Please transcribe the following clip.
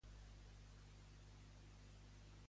Quan van retornar a Espanya?